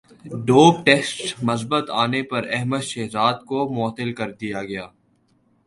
dope test مثبت انے پر احمد شہزاد کومعطل کردیاگیا